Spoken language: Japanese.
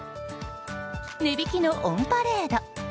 値引きのオンパレード。